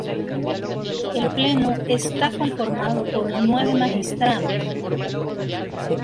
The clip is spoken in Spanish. El pleno está conformado por nueve magistrados.